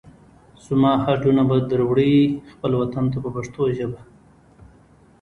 زما هډونه به در وړئ خپل وطن ته په پښتو ژبه.